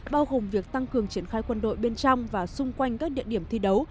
bao gồm việc tăng cường triển khai quân đội bên trong và xung quanh các địa điểm thi đấu